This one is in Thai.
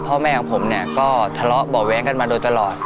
พ่อแม่ของผมเนี่ยก็ทะเลาะเบาะแว้งกันมาโดยตลอด